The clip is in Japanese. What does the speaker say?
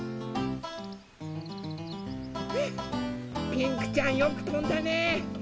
ピンクちゃんよくとんだね。